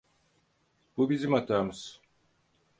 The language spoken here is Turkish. Bu bizim hatamız.